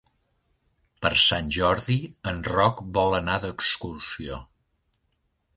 Per Sant Jordi en Roc vol anar d'excursió.